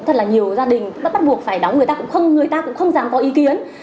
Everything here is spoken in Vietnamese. thật là nhiều gia đình bắt buộc phải đóng người ta cũng không dám có ý kiến